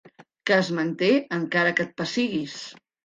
Que es manté encara que et pessiguis.